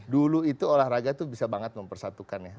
dulu itu olahraga tuh bisa banget mempersatukannya